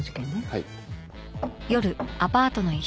はい。